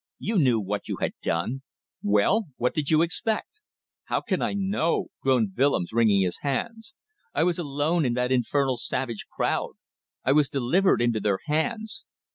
You knew what you had done. Well! What did you expect?" "How can I know?" groaned Willems, wringing his hands; "I was alone in that infernal savage crowd. I was delivered into their hands.